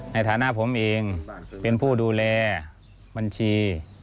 ในฐานะผมเองเป็นผู้ดูแลบัญชี